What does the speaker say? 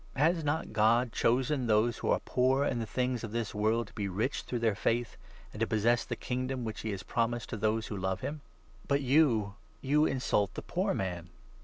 Has not God chosen those who are poor in the things of this world to be rich JAMES, 2. £77 through their faith, and to possess the Kingdom which he has promised to those who love him ? But you — you insult the 6 poor man